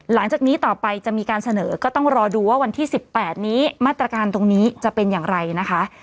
หลังจากนี้ต่อไปจะมีการเสนอก็ต้องรอดูว่าวันที่๑๘นี้มาตรการตรงนี้จะเป็นอย่างไรนะคะ